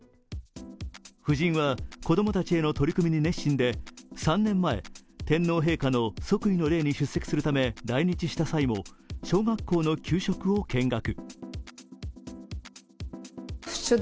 夫人は子供たちへの取り組みに熱心で３年前、天皇陛下の即位の礼に出席するため来日した際も小学校の給食を見学。